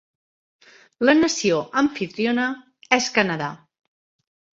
La nació amfitriona és Canadà.